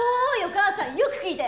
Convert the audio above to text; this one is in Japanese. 母さんよく聞いて！